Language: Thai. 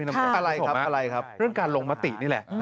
อะไรครับเรื่องการลงมะตินี่แหละ